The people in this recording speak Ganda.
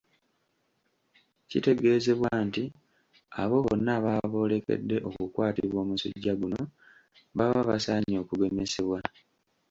Kitegeezebwa nti abo bonna ababa boolekedde okukwatibwa omusujja guno baba basaanye okugemesebwa